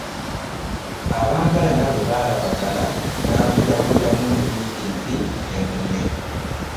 Abaagalana bwe baalabagana n'amujabuliramu mu bimpimpi ne munne.